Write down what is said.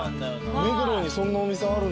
目黒にそんなお店あるんだ。